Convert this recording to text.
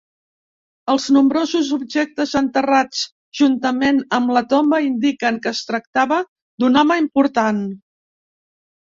Els nombrosos objectes enterrats juntament amb la tomba, indiquen que es tractava d'un home important.